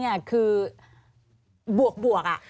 บวกคือบวก